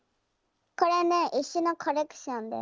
これね石のコレクションです。